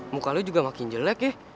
mukanya juga makin jelek ya